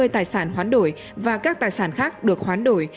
hai trăm bốn mươi tài sản hoán đổi và các tài sản khác được hoán đổi